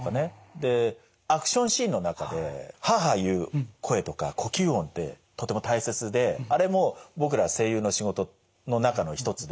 でアクションシーンの中で「ハーハー」言う声とか呼吸音ってとても大切であれも僕ら声優の仕事の中の一つで。